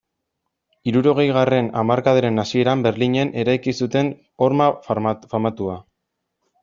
Hirurogeigarren hamarkadaren hasieran Berlinen eraiki zuten horma famatua.